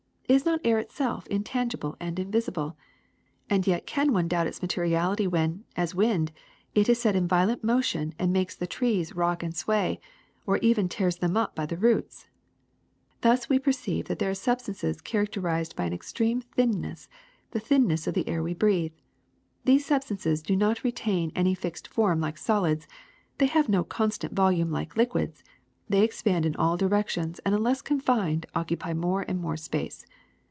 Is not air itself intangible and invisible ! And yet can one doubt its materiality when, as wind, it is set in violent motion and makes the trees rock and sway, or even tears them up by the roots I Thus we perceive there are substances characterized by an extreme thinness, the thinness of the air we breathe. These substances do not re tain any fixed form like solids ; they have no constant volume like liquids ; they expand in all directions and, unless confined, occupy more and more space.